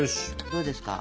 どうですか？